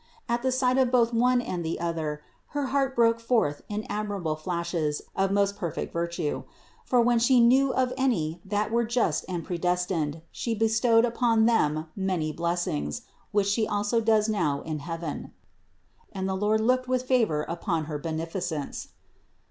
At sight of both one and the other her heart broke forth in admirable flashes of most perfect virtue : for when She knew of any that were just and predestined, She bestowed upon them many blessings, which She also does now in heaven, and the Lord looked with favor upon her beneficence.